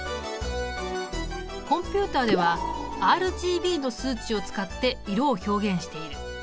コンピュータではＲＧＢの数値を使って色を表現している。